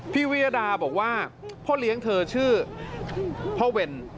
วิยดาบอกว่าพ่อเลี้ยงเธอชื่อพ่อเวร